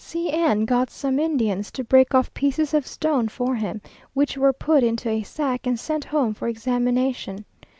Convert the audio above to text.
C n got some Indians to break off pieces of stone for him, which were put into a sack and sent home for examination.